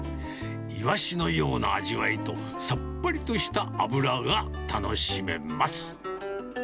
イワシのような味わいと、さっぱりとした脂が楽しめます。